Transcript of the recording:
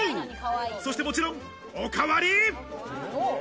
そして、もちろんおかわり。